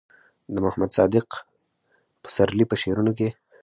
د محمد صديق پسرلي په شعرونو کې